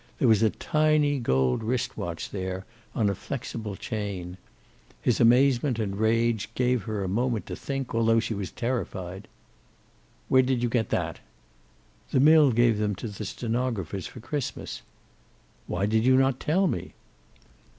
There was a tiny gold wrist watch there, on a flexible chain. His amazement and rage gave her a moment to think, although she was terrified. "Where did you get that?" "The mill gave them to the stenographers for Christmas." "Why did you not tell me?"